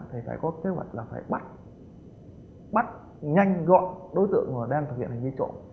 thì phải có kế hoạch là phải bắt nhanh gọn đối tượng mà đang thực hiện hành vi trộm